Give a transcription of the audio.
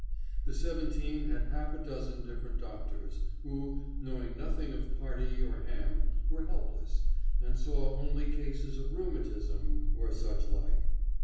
The seventeen had half a dozen different doctors, who, knowing nothing of party or ham, were helpless, and saw only cases of rheumatism or such like.